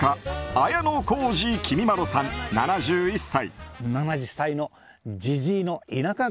綾小路きみまろさん７１歳。